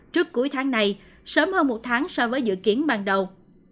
trước cuối tháng này sớm hơn một tháng so với dự kiến ban đầu